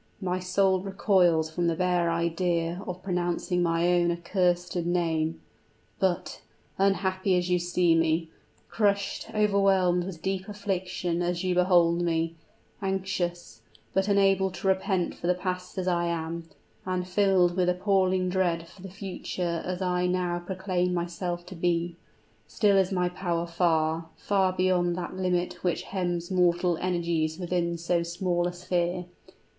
"My soul recoils from the bare idea of pronouncing my own accursed name! But unhappy as you see me crushed, overwhelmed with deep affliction as you behold me anxious, but unable to repent for the past as I am, and filled with appalling dread for the future as I now proclaim myself to be, still is my power far, far beyond that limit which hems mortal energies within so small a sphere.